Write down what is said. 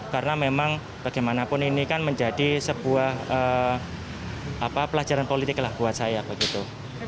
karena memang bagaimanapun ini kan menjadi sebuah pelajaran politik lah buat saya begitu